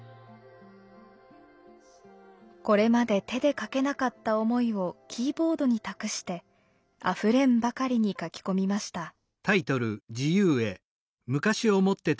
これまで手で書けなかった思いをキーボードに託してあふれんばかりに書き込みました。